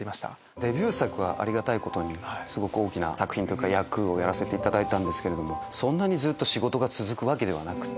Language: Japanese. デビュー作はありがたいことに大きな作品とか役をやらせていただいたんですけどそんなにずっと仕事が続くわけではなくって。